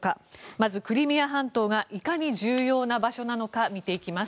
まず、クリミア半島がいかに重要な場所なのか見ていきます。